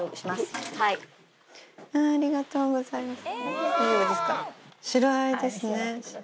ありがとうございます。